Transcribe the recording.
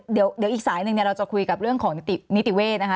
เดี๋ยวอีกสายหนึ่งเราจะคุยกับเรื่องของนิติเวศนะคะ